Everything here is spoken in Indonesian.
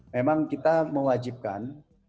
memang kita mewajibkan